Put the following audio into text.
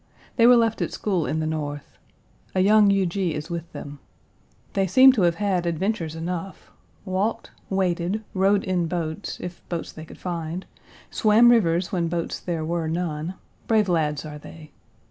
They Page 187 were left at school in the North. A young Huger is with them. They seem to have had adventures enough. Walked, waded, rowed in boats, if boats they could find; swam rivers when boats there were none; brave lads are they.